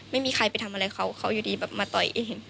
ไม่มีใครไปทำอะไรเขาเขาอยู่ดีแบบมาต่อยเอง